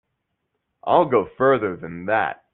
I'll go further than that.